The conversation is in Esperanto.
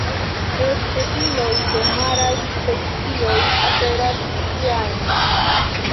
Eĉ fosilioj de maraj specioj aperas ĉie ajn.